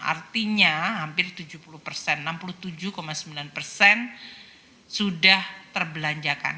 artinya hampir tujuh puluh persen enam puluh tujuh sembilan persen sudah terbelanjakan